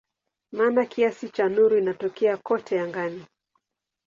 Maana kiasi cha nuru inatokea kote angani.